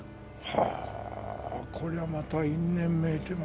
はあこりゃまた因縁めいてますなあ。